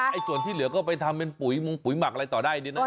ผมบอกไอ้ส่วนที่เหลือก็ไปทำเป็นปุ๋ยปุ๋ยหมักอะไรต่อได้ดินะเนี่ย